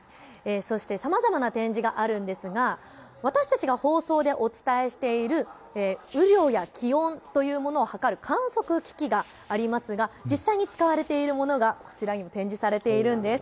さまざまな展示があるんですが私たちが放送でお伝えしている雨量や気温というものを測る観測機器がありますが実際に使われているものがこちらに展示されているんです。